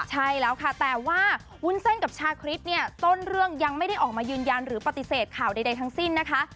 ใช่แล้วค่ะแต่ว่าวุ้นเส้นกับชาคริสเนี่ยต้นเรื่องยังไม่ได้ออกมายืนยันหรือปฏิเสธข่าวใดทั้งสิ้นนะคะ